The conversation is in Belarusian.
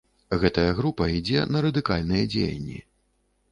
Гэтая група ідзе на радыкальныя дзеянні.